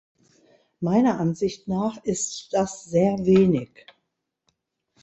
Meiner Ansicht nach ist das sehr wenig.